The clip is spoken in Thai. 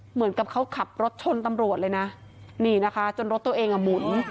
เหมือนกับเขาขับรถชนตำรวจเลยนะนี่นะคะจนรถตัวเองอ่ะหมุน